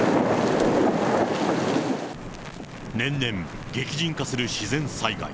年々、激甚化する自然災害。